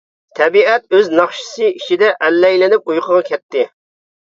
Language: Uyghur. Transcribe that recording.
تەبىئەت ئۆز ناخشىسى ئىچىدە ئەللەيلىنىپ ئۇيقۇغا كەتتى.